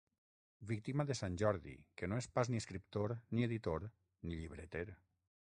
Víctima de sant Jordi que no és pas ni escriptor, ni editor, ni llibreter.